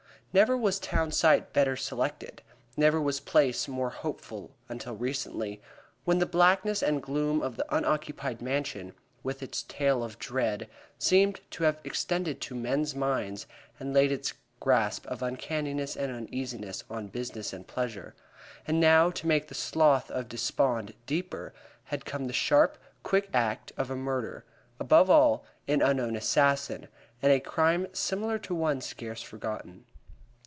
Never was town site better selected; never was place more hopeful until recently, when the blackness and gloom of the unoccupied Mansion, with its tale of dread, seemed to have extended to men's minds and laid its grasp of uncanniness and uneasiness on business and pleasure. And now, to make the slough of despond deeper, had come the sharp, quick act of a murderer above all, an unknown assassin and a crime similar to one scarce forgotten.